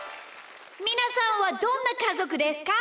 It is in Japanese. みなさんはどんなかぞくですか？